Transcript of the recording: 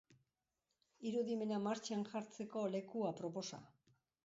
Irudimena martxan jartzeko leku aproposa!